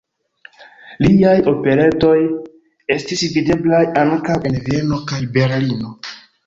Liaj operetoj estis videblaj ankaŭ en Vieno kaj Berlino.